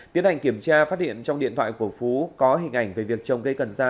tiến hành kiểm tra phát hiện trong điện thoại của phú có hình ảnh về việc trồng cây cần xa